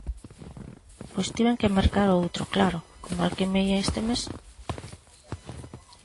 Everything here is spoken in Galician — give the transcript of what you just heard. Pois tiven que mercar outro, claro, co mal que me ía este mes!